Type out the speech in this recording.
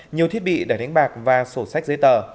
nhiều thiết bị để đánh bạc và sổ sách giấy tờ